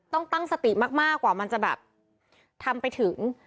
ต้องตั้งสติมากกว่ามันจะแบบทำไปถึง